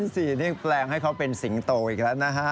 สี่นี่แปลงให้เขาเป็นสิงโตอีกแล้วนะฮะ